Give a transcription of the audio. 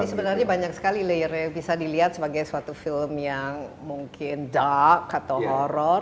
jadi sebenarnya banyak sekali layarnya bisa dilihat sebagai suatu film yang mungkin dark atau horror